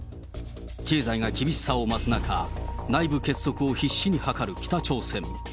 経済が厳しさを増す中、内部結束を必死に図る北朝鮮。